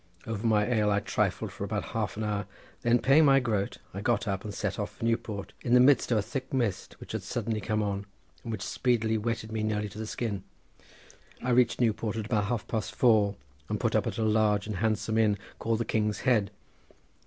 Over my ale I trifled for about half an hour, then paying my groat I got up and set off for Newport in the midst of a thick mist which had suddenly come on and which speedily wetted me nearly to the skin. I reached Newport at about half past four and put up at a large and handsome inn called the King's Head.